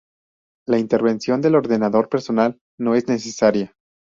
La intervención del ordenador personal no es necesaria.